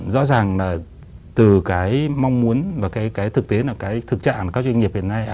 rõ ràng là từ cái mong muốn và cái thực tế là cái thực trạng các doanh nghiệp hiện nay